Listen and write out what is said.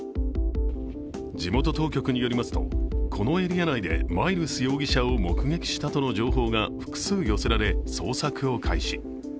地元当局によりますとこのエリア内でマイルス容疑者を目撃したとの情報が複数寄せられ、捜索を開始。